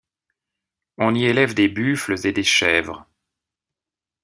On y élève des buffles et des chèvres.